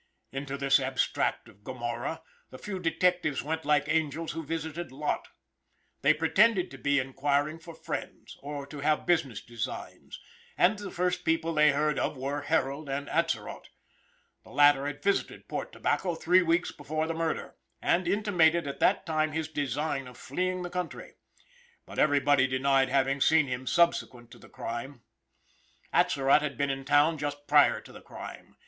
Into this abstract of Gomorrah the few detectives went like angels who visited Lot. They pretended to be enquiring for friends, or to have business designs, and the first people they heard of were Harold and Atzerott. The latter had visited Port Tobacco three weeks before the murder, and intimated at that time his design of fleeing the country. But everybody denied having seen him subsequent to the crime. Atzerott had been in town just prior to the crime.